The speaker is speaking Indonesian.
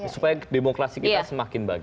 supaya demokrasi kita semakin baik